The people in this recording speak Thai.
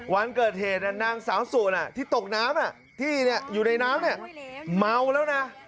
วันเกิดเหตุนางสาวสุที่ตกน้ำที่อยู่ในน้ำเมาแล้วนะ